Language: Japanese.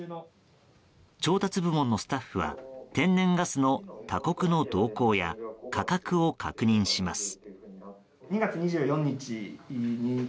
調達部門のスタッフは天然ガスの他国の動向や価格を確認します。